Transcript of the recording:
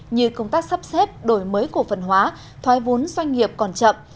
như công tác sắp xếp đổi mới cổ phần hóa thoái vốn doanh nghiệp còn chậm